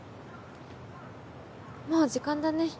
もう時間だね。